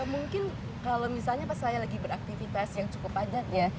mungkin kalau misalnya pas saya lagi beraktivitas yang cukup padat ya